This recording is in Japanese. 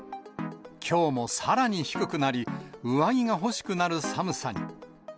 きょうもさらに低くなり、上着が欲しくなる寒さに。